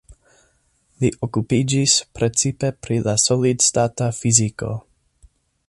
Li okupiĝis precipe pri la solid-stata fiziko.